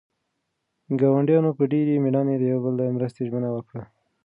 ګاونډیانو په ډېرې مېړانې د یو بل د مرستې ژمنه وکړه.